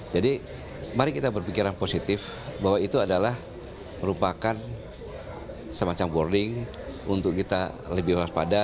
jadi mari kita berpikiran positif bahwa itu adalah merupakan semacam warning untuk kita lebih waspada